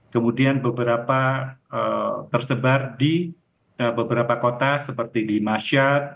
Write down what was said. kemudian bersebar di beberapa kota seperti di masyar